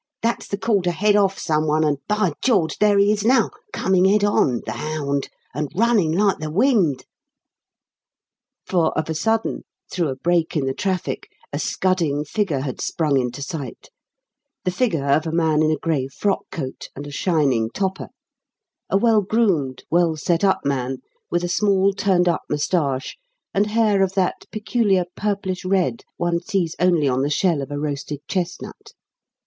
That's the call to 'head off' someone, and By George! There he is now, coming head on, the hound, and running like the wind!" For of a sudden, through a break in the traffic, a scudding figure had sprung into sight the figure of a man in a grey frock coat and a shining "topper," a well groomed, well set up man, with a small, turned up moustache and hair of that peculiar purplish red one sees only on the shell of a roasted chestnut.